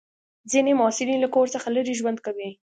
ځینې محصلین له کور څخه لرې ژوند کوي.